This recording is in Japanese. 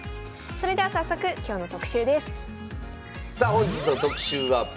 それでは早速今日の特集です。